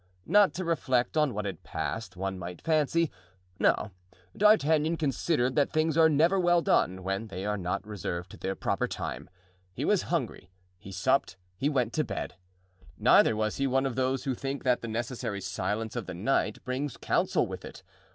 Not to reflect on what had passed, as one might fancy. No, D'Artagnan considered that things are never well done when they are not reserved to their proper time. He was hungry; he supped, he went to bed. Neither was he one of those who think that the necessary silence of the night brings counsel with it.